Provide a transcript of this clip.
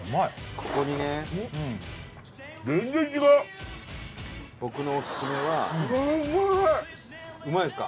ここにねうん全然違う僕のオススメはうわうまいうまいですか？